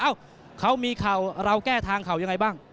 เอ้าเขามีเข่าเราแก้ทางเข่ายังไงบ้าง